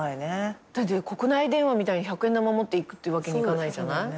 だって国内電話みたいに百円玉持っていくってわけにいかないじゃない。